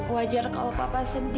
wajar kalau papa sedih